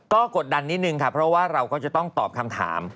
ก็กดดันนิดนึงค่ะเพราะว่าเราก็จะต้องตอบคำถาม